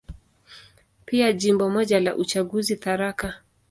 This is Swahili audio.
Pia Jimbo moja la uchaguzi, Tharaka.